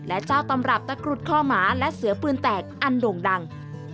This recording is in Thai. และเจ้าตำรับตะกรุดข้อหมาและเสือปืนแตกอันโด่งดัง